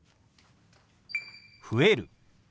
「増える」。